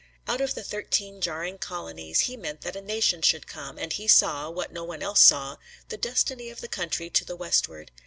Out of the thirteen jarring colonies he meant that a nation should come, and he saw what no one else saw the destiny of the country to the westward.